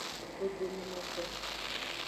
Dodomenoto.